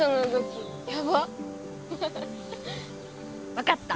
わかった。